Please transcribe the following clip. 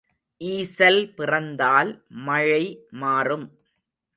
ஈசல் பிறந்தால் மழை மாறும்.